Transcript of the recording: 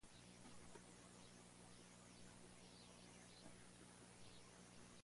Asimismo fue vicepresidente bajo el mando de Francois Mujica.